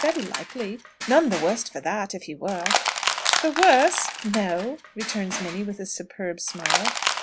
Very likely. None the worse for that, if he were." "The worse! No!" returns Minnie, with a superb smile.